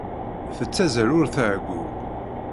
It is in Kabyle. Tettazzal ur tɛeyyu.